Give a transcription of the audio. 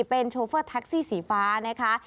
เป็นโชเฟอร์แท็กซี่สีฟ้านะคะ